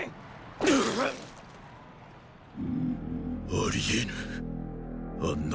有り得ぬあんな